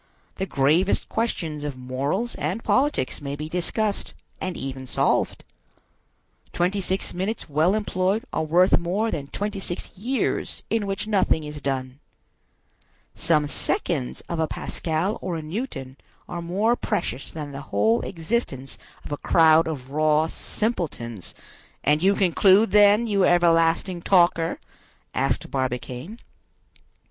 The gravest questions of morals and politics may be discussed, and even solved. Twenty six minutes well employed are worth more than twenty six years in which nothing is done. Some seconds of a Pascal or a Newton are more precious than the whole existence of a crowd of raw simpletons—" "And you conclude, then, you everlasting talker?" asked Barbicane.